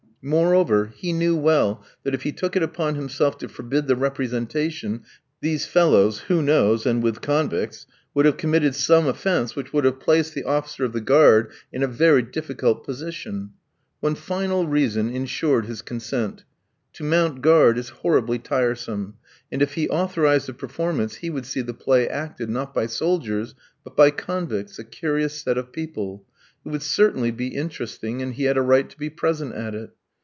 Moreover, he knew well that if he took it upon himself to forbid the representation, these fellows (who knows, and with convicts?) would have committed some offence which would have placed the officer of the guard in a very difficult position. One final reason insured his consent: To mount guard is horribly tiresome, and if he authorised the performance he would see the play acted, not by soldiers, but by convicts, a curious set of people. It would certainly be interesting, and he had a right to be present at it.